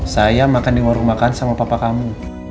saya makan di warung makan sama papa kamu